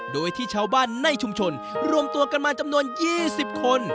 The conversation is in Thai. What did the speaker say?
โดยที่ชาวบ้านในชุมชนรวมตัวกันมาจำนวน๒๐คน